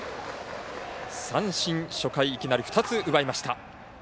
三振、初回いきなり２つ奪いました。